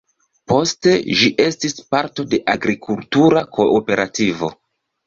Poste ĝi estis parto de agrikultura kooperativo.